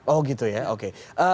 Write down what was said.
oh gitu ya oke